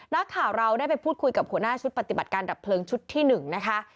นักข่าวเราได้ไปพูดคุยกับหัวหน้าชุดปฏิบัติการดับเพลิงชุดที่๑นะคะ